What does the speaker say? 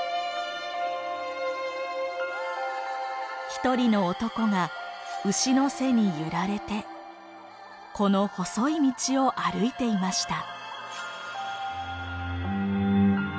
一人の男が牛の背に揺られてこの細い道を歩いていました。